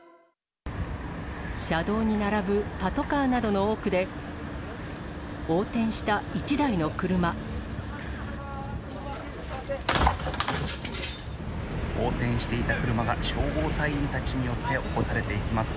車道に並ぶパトカーなどの奥で、横転していた車が消防隊員たちによって起こされていきます。